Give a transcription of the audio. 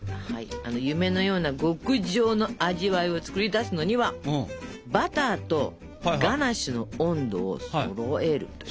夢のような極上の味わいを作り出すのにはバターとガナッシュの温度をそろえるという。